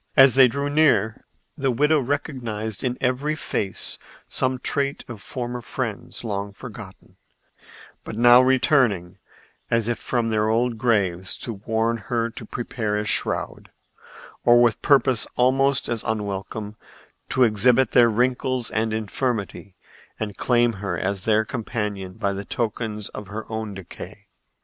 As they drew near the widow recognized in every face some trait of former friends long forgotten, but now returning as if from their old graves to warn her to prepare a shroud, or, with purpose almost as unwelcome, to exhibit their wrinkles and infirmity and claim her as their companion by the tokens of her own decay.